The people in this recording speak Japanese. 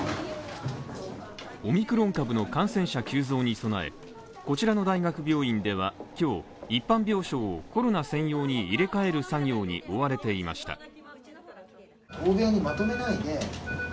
オミクロン株の感染者急増に備え、こちらの大学病院では、今日、一般病床をコロナ専用に入れ替える作業に追われていました。